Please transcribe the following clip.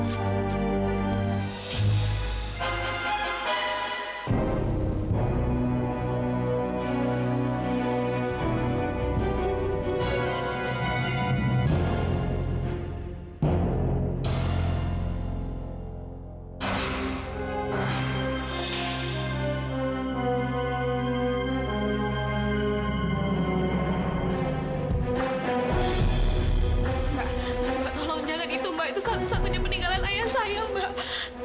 mbak tolong jangan itu mbak itu satu satunya peninggalan ayah saya mbak